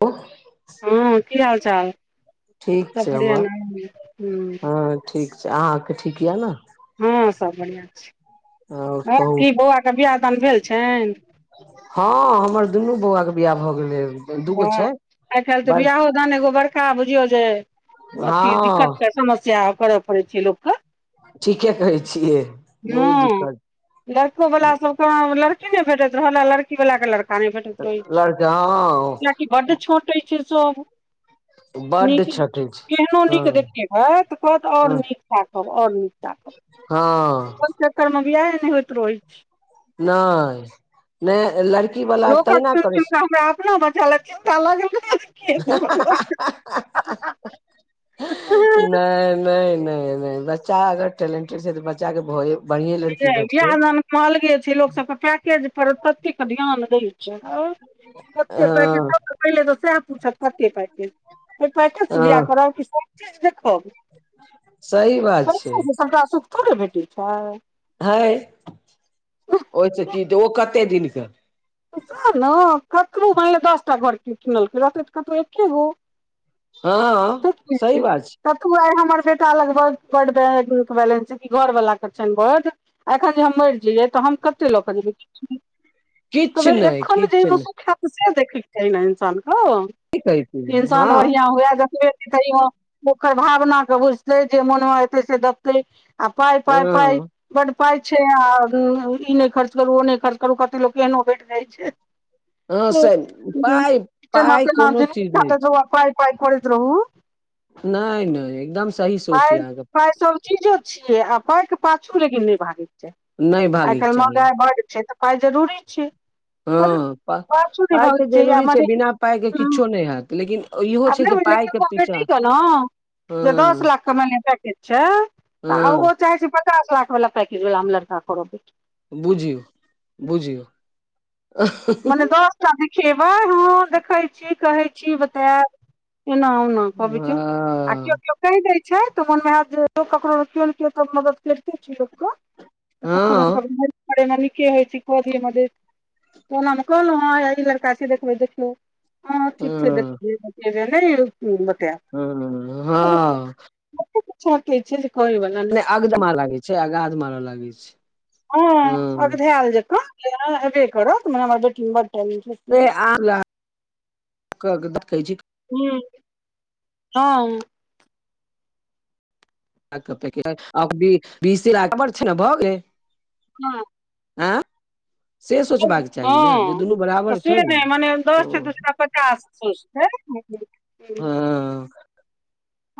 उ- - हँ की हाल चाल ठीक सब छै बढ़िआ हमर न हु हु। हँ ठीक छै अहाँके ठीक यऽ न। हँ सब बढ़िआँ आओर छैय, आँ कहू की बौआके बिआाह दान भेल छैन। हँ हमर दुनू बौआ के बियाह भऽ गेलै। दूगो हँ छै आइ काल् तऽ बड़ बियाहो दान एगो बड़का बुझियौ जे अथी हँ दिक्कतके समस्या करय पड़ै छै लोकके। ठीके कहै छियै बहुत हँ दिक्कत। लड़को वला सब के लड़की ने भेटैत रहल लड़की वाला के लड़का। नहि भेटैत रहै छै लड़का हँ। कियाकि बड्ड छँटय छैय सब। बड्ड नीक छटै छै केहनो हँ नीक देखते है त कहत आओर हँ नीक। ताकब और नीक ताकब। हँ। ओय चक्करमे बियाहे नहि होइत रहै छैय। नहि नहि लड़ लोकक सुइन सुइन के हमरा अपनो बच्चा ले चिंता लागल रहैये। नहि- नहि -नहि बच्चा अगर टेलेंटेड छै तऽ बच्चाके भए बढ़िए लड़की भेटतै बिआह दानमे अलगे छैय लोकसभके पैकेज पर ततेक ध्यान दै छैय। कते पैकेज हँ सबसँ पहिले तऽ सएह पूछत कते पैकेज। पैकेज स हँ बियाह करब कि सब चीज देखब। सही बात छै पैसा से सबटा सुख थोड़े भेटय छैय। है ओहिसँ की जे ओ कते दिनके। सएह ने ककरो मानि ले दस टा घर कियो किनलकै रहतै तऽ कतो एकेगो। हँ तब ठीक सही छै बात तब त आइ हमर बेटा लग बड बैंक बैंक बैलेंस छैय कि घर वाला के छैन बड एखन जे हम मरि जइयै तऽ हम कतेक लऽ कऽ जेयबै। तब किछु नहि एखन जे किछु मे नहि सुख हैत से देखैके चाहीने इंसानके, की कहै छियै इंसान हँ बढ़ियां हुए देखबेै की तैयो ओकर भावनाके बुझतै जे मनमे एतै से देखतै आ पाइ -पाइ- पाइ हँ बड्ड पाइ छैय आ ई नहि खर्च करू ओ नहि खर्च करू कतेक लोक केहनो भेट जाइत हँ से छैय। पाइ जेना पाइ कोनो चीज नहि छै तेरा [unintelligible] पाइ पाइ करैत रहू। नहि नहि एकदम सही सोच पाइ य अहाँके। पाइ सब चीजो छियै आ पाइके पाछू लेकिन नहि भागैके चाही। नहि आइ भागयके काल्हि चाही महगाइ बढ़ छै तऽ पाइ जरूरी छैय। हँ पाइ तऽ चाही आ जरूरी छैय मने बिना पाइके हूँ किछो नहि हैत। लेकिन इहो छै जे पाइ के पीछा [unintelligible] जे दस हँ लाख के मानि लिय पैकेज छैय तऽ ओ हँ चाहे छैय पचास लाख वला पैकेज वला हम लड़का करब। बुझियौ -बुझियौ। हँ मने दस टा देखेबै हँ देखै छी कहै छी बतायब एना ओना कहबय जो। आ केओ केओ कहि दै छैय तऽ मोनमे होयत जे लोक ककरो केओ नहि केओ मदद करिते छैय लोकके। हँ [unintelligible] तना मे कहलहुँ हँ ई लड़का छैय देखबै देखियौ ह ठीक छैय हँ देखबै। [unintelligible] बतैब। ह- हँ-हँ-हँ। [unintelligible] अगदमा लागै छै, अगाध मार लागे छै। हँ अगधायल जंका हेबे करत मने हमर बेटी में बड्ड टैलेंट अय। [unintelligible] क क देखै छी। हुं- हम आक पैकैट बीसे [unintelligible] बड़ छै ने भऽ गेलय। हँ- आँ- से सोचबाक चाही ने जे हँ दुनू तऽ बराबर से छै ने, नहि मने दस छै तऽ ओ- ओकरा पचास सोचतै हंऽ-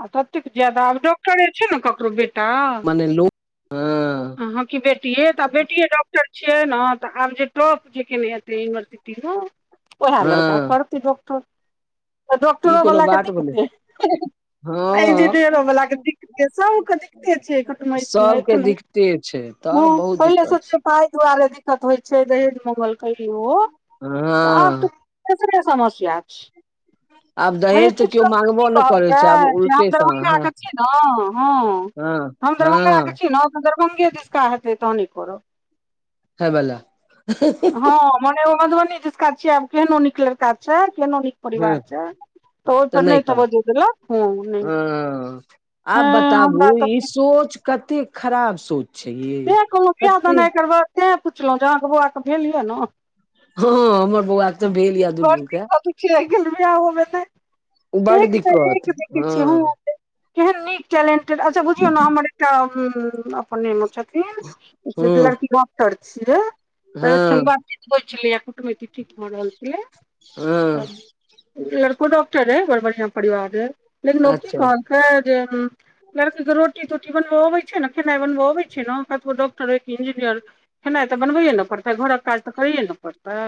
आ ततेक जादा आब डॉक्टरे छै ने ककरो बेटा नै लोभ ह- अहाँक बेटिये तऽ आब बेटियए डॉक्टर छै ने तऽ आब जे टाॅप जे केने हेतै यूनिवर्सिटी तीनु--ओहेए लड़का हँ करतय डाक्टर तऽ ई कोनो डॉक्टरोवला बात कथी भेलै कतै? अ हँ इजिंनियरोवला के दिकते सब के दिक्कते छय कुटुमैती में सबके अखनो दिक्कते छै हं तब बहुत ओय लय दिक्कत छै सोचियौ तय दुआरे दिक्कत होइ छै दहेज मंगलकय ओ - त आब हँ त एतबे समस्या आब छय। यै दहेज तऽ केओ किछऽ लोक मांगबो की नहि करै कहवकै छै आब जे उल्टे हम सँ दरभंगा हँ क छी। ने हँ हँ -हम दरभ्ंगाक के हँ छी ने त दरभ्ंगे दिस्का हेतै तहने करब। हय बला हँ मने ओ मधुबनी दिसका छियै केहनो नीक लडका छय, केहनो नीक हँ परिवार छय तऽ ओयपर नहि तवज्जोऽ देलक हं -नय, हँ आब ऐं बताबू हमरा त - ई सोच कतेक खराब सोच छै ये तैं कहलहुँ बिया कते दान आय काइल बड्ड तें पुछलहुँ जे अहाँके बौआके भेल यैए ने? हँ हमर बौआ त भेल या बड़ दुनू के दिक्कत होय छै आय काइल बिहाहो में नय, बड एक स दिक्कत एक देखे छियै हं हँ [unintelligible] केहन नीक टेलेंटेड, अच्छा बुझियौ ने हमर एकटा उं-अ- अपने मे छथिन, से एकटा हँ लड़की डॉक्टर छियै त एखन हँ वैह होय छलैये कुटुमैती ठीक भ रहल छलैयै हँ त - लड़को डॉक्टर रहय, बड्ड बढियां परिवार रहै, लेकिन ओकी अच्छा कहलकय जे उं- लड़की के रोटी तोटी बनवो आबे छै ने खेनाई बनब आबै छै ने कतबो डाक्टर रहय की इंजीनियर रहै खेनाइ तऽ बनबैए ने पड़तै घरक काज तऽ करैए ने पड़तै।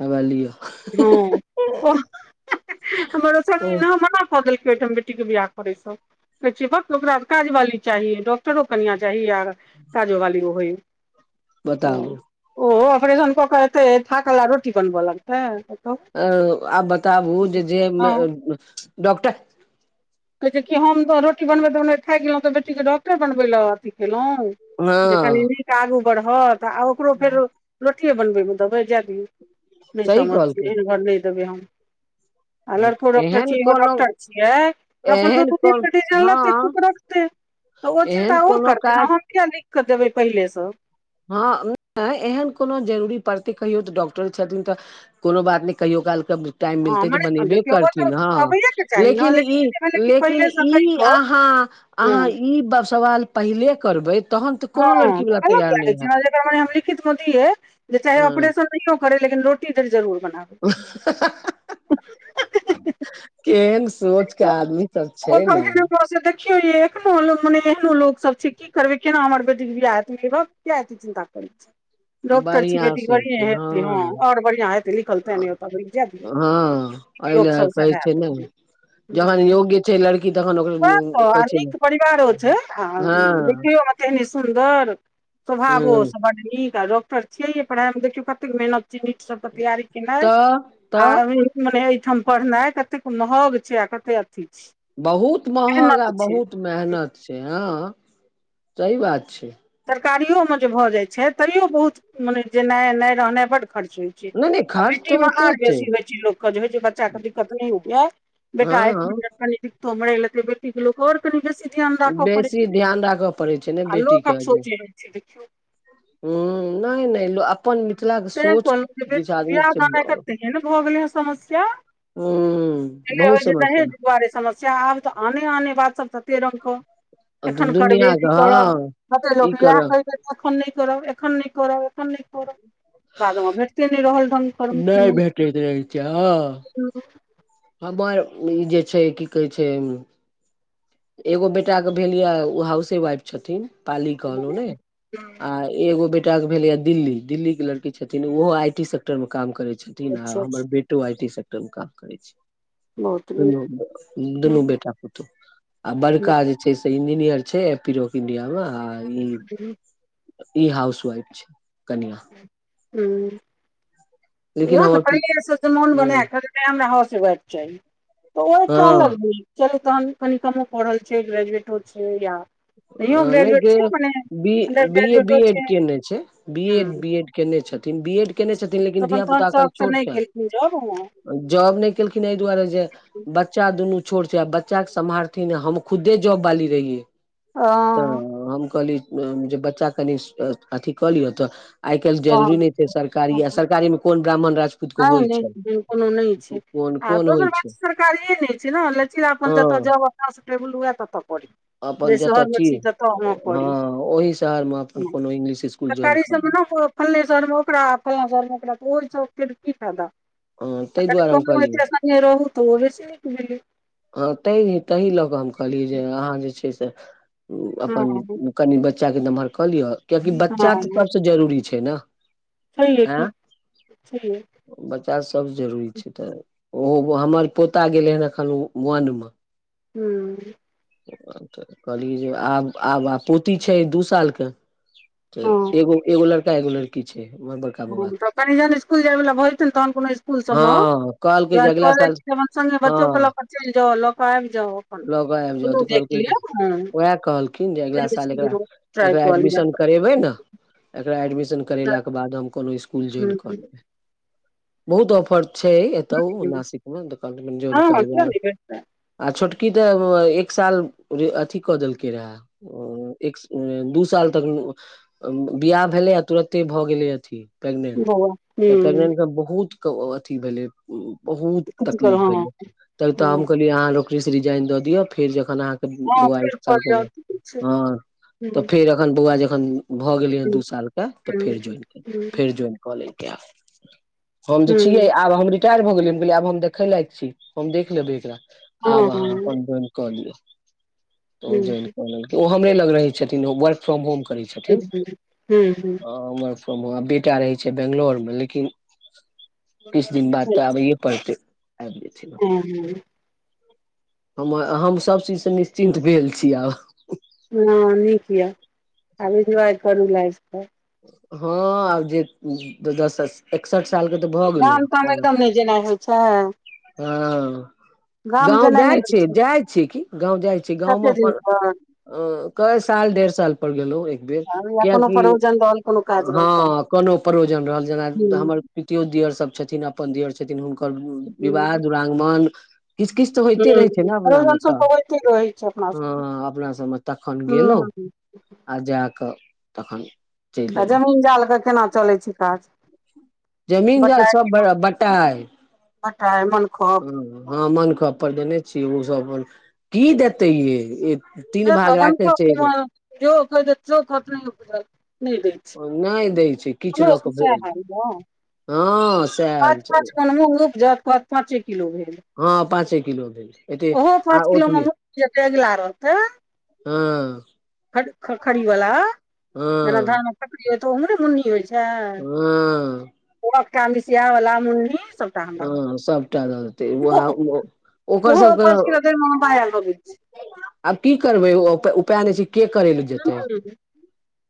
हौऐऽ लिय। हँ -ओआ- [unintelligible] हमर ओ हँ संगीना मना कऽ देलकै ओयठाम बेटी के बियाह करै स कय छै बक्क ओकरा त काज बाली चाही डॉक्टरो कनिआ चाही आर [inaudible] काजो वाली होय बताबू ओ अपरेशन कऽ कऽ एतय थाकल आ रोटी बनब लग तै-बताउ? अ- आब बताबु जे जे मे हँ डॉक्टर कहै छै कि हम त रोटी बनबैत थाइक गेलौं तऽ बेटीके डॉक्टर बनबै लए अथी केलहुँ? जे कनि हँ नीक आगू बढ़त आ ओकरो फेर रोटिये बनबै मे देबै जाए दियौ नै सही समझ छियै कहलकै एहन घर नै देबै हम। आ लड़को डॉक्टर एहन छियै, इहो कोनो डॉक्टर छियै। तऽ अपन एहन दुनु मिल कोन के डिजन लेतै हँ कूक रखतै तऽ ओ एहन चिन्ता ओ कोनो करतै काज नै हम किया लिखऽ के देबै पेहले से। हां उ एहन कोनो जरूरी पड़तै कहियो तऽ डॉक्टर छथिन तऽ कुनू बात नै कहियो काल के टाइम हँ मिलतै तऽ मने बनेबे देखियौ ओ करथिन तऽ अबैएके हां चाही ने लेकिन ई जे भेलै कि लेकिन पहिलेसँ कहि ई कऽ अहाँ हँ अहां ई ब सवाल पहिले करबे तहन ते कोनो लड़की वला तैयार नै जना एकर मने हम लिखित म दियै जे चाहे हँ ऑपरेशन नहियो करै लेकिन रोटी देल जरूर बनाएब। केहेन सोच के आदमी सब छै नै। किया ये एखनो लोक मने एहनो लोक सब छै की करबे केना हमर बेटी के ब्याह हेतै ये भक किया एते की चिन्ता करै छी। डॉक्टर छी बढ़िया बेटी से बढ़िये हेतै हां हँ और बढ़ियाँ हेतै लिखल ताएं नै ओ पगड़ी जाय दियौ। हँ नीक एहि लोक लए सबसे कहै छै ने हाएत। जखन हुं योग्य छै लड़की तखन ओकरा प तऽ कहै आ छै ने। नीक परिवारो छै आ हँ देखियौ आ कनी सुन्दर ह स्वभावो सब बड नीक आ डॉक्टर छिययै पढ़ाय मे देखियौ कतेक मेहनत जे नीट सबके तैयारी केनाय तऽ आ तऽ अभी मने एठाम पढ़नाय कतेक महग छै आ कते अथी छै। बहुत महग आ मेहनत छै बहुत मेहनत छै, हां सही बात छै। सरकारियो मे जे भऽ जाय छै तैयो बहुत मने जे नै नै रहनाय बड खर्च होय छै नहि नहि आ खर्च तऽ बेटी मे होइते आर छै बेसी-बेसी लोक के जे होय छै बच्चा के दिक्कत नै [unintelligible] हँ बेटा एक महीना हँ कनी दिक्कतो मे रैह गेलै फेर बे टी के लोक और कनी बेसी ध्यान राखऽ पड़ै बेसी छै ध्यान राखय पड़ै छै ने आ बेटी लोकक सोच एहन छै देखियौ। हां, नै-नै लो अ तै कहलके बेटी के बिहा छै दान आय काएल हूँ तेहेन भऽ गेलै हे समस्या। पैहला बहुत रहै जे दहेज समस्या दुआरे सम स्या आब तऽ आने-आने बात सब तते रंग क एखन करबे दुनिया नै के करब हँ कते ई लोक इहाए करऽ कैह के एखन नै करब, एखन नै करब, एखन नै करब। बादमे भेटते नै रहल ढंग कर्म के नहि भेटैत रहै छै हँ [unintelligible] हमर ई जे छै की कहै छै एगो बेटाके भेल या उ हाउसे वाइफ छथिन। पाली कहलौ नै आ एगो बे टा के भेलया दिल्ली, दिल्ली के लड़की छथिन उहो आई टी सेक्टर मे काम करै छथिन आ अच्छा अच्छा हमर बे टो आई टी सेक्टर मे काम करै छै बहुत नीक दुनू दुनू इएह बेटा पुतौ। आ बड़का जे छै से इंजीनियर छै पीरोक इंडिया मे आ ई ई हाउस वाइफ छै कनिया। हुं। लेकिन याएह नै हमर पहिले से जे मोन बना हँ के नै हमरा हाउसे वाइफ चाही तऽ ओ एकटा हँ अलग भेलै। चलु तहन कनि कमो पढ़ल छै, ग्रेजुएटो छै या आ नहियो नै ग्रेजुएट गे छै मने B under B A, B ग्रेजुएटो एड छै केने छै, बी हँ ए बीएड केने छथिन, बी एड कैने छथिन तऽ लेकिन अपन धिया तहन पुता एखन शौकसँ छोट नहि छ। केलखिन जॉब जॉब नै केलखिन ए दुआरे जे बच्चा दुनू छोट छै आ बच्चा के सम्हारथिन हम खुदे जॉब बाली रहियै। तऽ हँ हम कहली जे बच्चा कनि अथी कऽ लिय तऽ। आय कैल्ह जरूरी नै तहन छै सरकारी आ सरकारीमे कोन ब्राह्मण राजपूतके नहि होय नहि छै। बिल- कोनो नहि छै कोन आ कोन दोसर होइ बात छै सरकारिए नै छै ने लेकिन अपन जतऽ हँ जौब अपना सुटेबल हुए ततऽ करी। अपन जे जतऽ शहरमे छी ततऽ हँ करी ओहि शहर मे अपन कोनो इंग्लिश स्कुल ज्वाइन सरकारी कऽ लेब सबमे [unintelligible] फले सहरमे ओकड़ा फला सहर मे ओकड़ा तऽ ओह सँ की फायदा। हँ ताहि अगर दुआरे हम कमो कहलियै इतै स्थानीये रहू तऽ ओहे सँ नीक भेलै। हँ तैय -ताहि लऽ कऽ हम कहलियै जे अहाँ जे छै से हँ अपन कनि बच्चाके नम्हर कऽ लिअ कियकि बच्चा तऽ हँ सबसँ जरूरी छै नऽ। छैहे की छैहे। बच्चा सब जरूरी छै तऽ ओहो हमर पोता गेलै हन एखन उ वन मे। हूँ। तऽ कहलियै जे आब आ पोति छै दू सालके। तऽ हँ एगो- एगोल लड़का एगो लड़की छै माँ स्कुल जाइ बला भऽ जेतै तहन कोनो स्कुल सब म ऽ। हँ कहलकै जे जइन अगिला कॉलेज साल से हँ बच्चो के लऽ क चैल जौ लऽ के आइब जौ। लऽ कऽ आइब जाउ तऽ कहलखिन उएहे कहलखिन जे अगिला साल एकरा। ट्राइ एकरा कऽ लिअ एडमिशन करेबै ने एकरा एडमिशन करेलाके बाद हम कोनो स्कुल ज्वाइन हँ कऽ लेबै। बहुत ऑफर छै एतौ नासिक मे कहलखिन ज्वाइन कऽ लेबै। तऽ आ छोटकी तऽ एक साल अथी कऽ देलकै रहए। एक दू साल तक बियाह भेलै आ तुरते भऽ गेलै अथी। प्रेगनेंट बौआ तऽ हूँ प्रेगनेंट के बहुत अथी भेलै। बहुत कथी कहल तकलीफ हँ भेलै। तब तऽ हम हँ कहलियै अहाँ रोकड़ से रिजाइन दऽ दियौ फेर जखन अहाँके हँ बौआ एक फेर कऽ साल के लिअ और की छै हँ। तऽ हँ फेर अखन बौआ जखन भए गेले हे दू साल के त फेर जोवाइन केल फेर जोवाइन कऽ लेलकै आब हम तऽ छियै आब हमरी टेल भऽ गेलियै हम कहलियै हम आब हम देखेै लायक छी हम देख लेबै एकरा आब अहाँ अपन जवाइन कऽ लिअ तऽ जवाइन हँ कलेलकै ओ हमरे लग रहे छथिन वर्क फ्रम होम करै ह छथिन ह हूँ हूँ। वर्क फ्र बेटा रहै छै बैंगलोर में लेकिन किछु दिन बाद तऽ आबैए पड़तै आइब जेथिन अप हूँ हँ हम हम सब चीजसँ निश्चिन्त भेल छी आब। हँ नीक यए आब एन्जॉय करू लाइफ कऽ हँ आब जे दसस एकसठ साल के तऽ भऽ गेलु गाम ताम हँ। एकदम नहि जेनाइ होइ छै गाम गाँव जेनाइ नहि जाइ होइ छी छै जाइ छी की गाँव जाइ छी गाँवमे कते दिन अपन। पर अं कै साल डेढ़ साल पर गेलू एक बेर कियकि। काम रहल कोनो। काज रहल तहन हँ कोनो प्रोजन रहल जेना हमर पितियो दियर सब छथिन अप पन दियोर छथिन हुनकर हूँ विवाह, दुरागमन। किछ- किछ तऽ होइते हूँ रहै छै ने अपना मे आयोजन सब तऽ होइते रहै छै अपना सबके हँ अपना सबमे तखन गेलौ। ह आओर जाकऽ तखन चलि तऽ एलहुँ जमीन -जालके केना चलै छै काज? जमीन जाल बटाइ सब बटाय बटाइ मनखब ओ। हँ मनखब पर देने छियै, ओ सब अपन की देतै यै, से त मनुखो पर क्यों कोई देत, सेहो कहत नइ दैत छै [unintelligible] ओ नहि दै छै, किछु हमरो लऽ सबके कऽ सएह भेज हाल दे। यऽ पाँच -पाँच मोन उपजत, कहत पाँचे किलो भेल। हँ पाँचे किलो भेल एते ओहो आ पाँच किलो ओतबे मूंग तेगला रहतै। हँ। ख ख खरी वला, जेना हँ धान खखरी होइ तऽ उे मुन्नी होइ छै। हँ ओ अकटामिसिया वला मुन्नी सब। हँ सबटा दऽ देतै वएह ओ ओकर ओहो सबके पच किलो दैय मे माया लगै छै। आब की करबै उपाय नहि छै, के करै लए जेतै। हूँ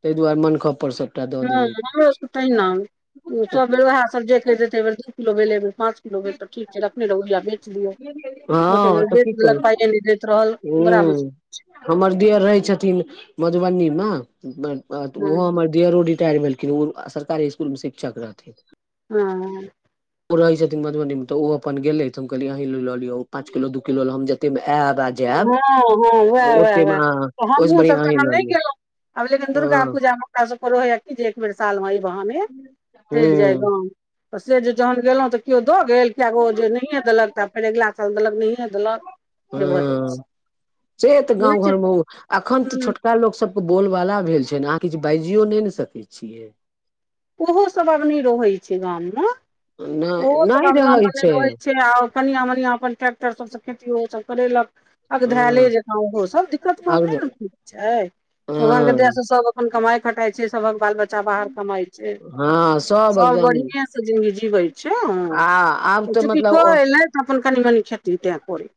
ताहि दुआरे मनखऽ पड़सत। हँ हमरोसभ तहिना, सब बेर ओएह सभ जे कहि देतै एही बेर दू किलो भेलै, एही बेर पाँच द देत त ठीक। रखने रहु या बेच दियौ, हँ तऽ की बेच देलक पाइ करू नहि दैत रहल बरा मूस हूँ हमर देअर रहै छथिन मधुबनी मे, ओहो हँ हमर दियरो रिटायार भेलखिन है, ओ सरकारी स्कुल मे शिक्षक रहथिन। हँ। ओ रहे छथिन मधुबनी मे, त ओ अपन गेलैथ त हम कहलिय अहि ल लिय, ओ पाँच किलो, दू किलो ले हम जते मे आयब, आ हँ, जायब हँ, उएह- उएह, ओते उएह मे ओहिसँ हमूँसभ बढ़िआँ त अहीं अखन लऽ नहि लिअ गेलहुँ। अब लेकिन दुर्गा हँ पूजा मे हमरा सब के रहैया कि जे, एक बेर साल मे अइ बहाने चलि जाय हूँ गाम। तऽ से जे जखन गेलहुँ तऽ केओ दऽ गेल, केगो जे नहिए देलक। तब फेने अगिला साल देलक, नहिय देलक, से भऽ जाय हँ से तऽ गाँव घरमे, एखन तऽ हुँ छोटका लोक सब बोल -बाला भेल छै ने, अहाँ किछु बाजियो नहि ने सकै छियै। ओहो सब आब नहि रहै छै गाम मे, ओहो सब आब गाम मे नहि रहै छै। से कनिया -मनिया अपन ट्रैक्टर सबसँ खेती ओ सब करेलक। अगधायले हँ जका ओहो सभ, दिक्कतमे आब नैने कोइ छै, भगवानके दय हँ से सभ अपन कमाय खटाइ छै, सबक बाल- बच्चा बाहर कमाइ छै, हँ सब एकदम बढ़िएसँ जिंदगी जीबै छै, हँ। आ आब तऽ चुकि क मतलब एलै त, अपन कनी -मनि खेति तै करै छै।